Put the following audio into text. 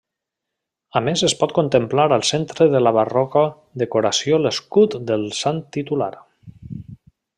A més es pot contemplar al centre de la barroca decoració l'escut del Sant titular.